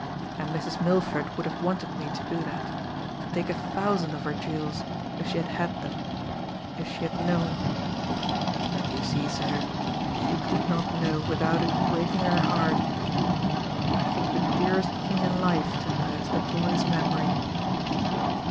And Mrs. Milford would have wanted me to do that, to take a thousand of her jewels, if she had had them, if she had known but, you see, sir, she could not know without it breaking her heart I think the dearest thing in life to her is the boy's memory."